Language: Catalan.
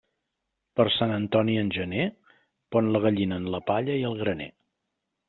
Per Sant Antoni en gener, pon la gallina en la palla i el graner.